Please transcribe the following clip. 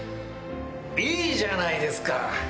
いいじゃないですか！